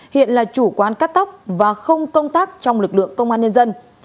hiện là chủ quán cắt tóc và không công tác trong lực lượng công an nhân dân